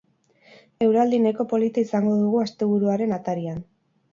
Eguraldi nahiko polita izango dugu asteburuaren atarian.